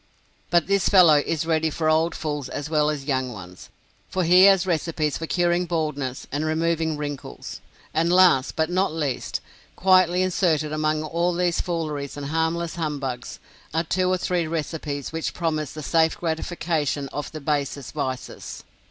But this fellow is ready for old fools as well young ones, for he has recipes for curing baldness and removing wrinkles. And last, but not least, quietly inserted among all these fooleries and harmless humbugs, are two or three recipes which promise the safe gratification of the basest vices.